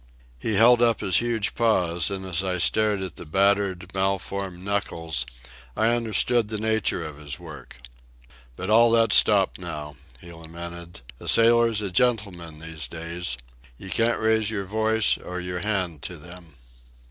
He held up his huge paws, and as I stared at the battered, malformed knuckles I understood the nature of his work. "But all that's stopped now," he lamented. "A sailor's a gentleman these days. You can't raise your voice or your hand to them."